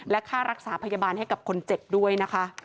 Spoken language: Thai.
และค่ารักษาพยาบาลให้กับคนเจ็บด้วยนะคะ